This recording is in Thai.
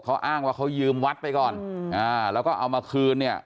เขาอ้างว่าเขายืมวัดไปก่อนแล้วก็เอามาคืนเนี่ย